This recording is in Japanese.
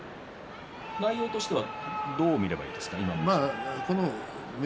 内容としてはどう見ればいいですか？